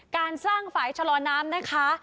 การสร้างฝ่ายชะลอน้ำนะคะ